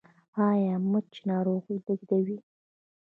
ایا مچ ناروغي لیږدوي؟